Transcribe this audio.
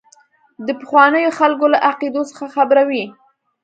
د پخوانیو خلکو له عقیدو څخه خبروي.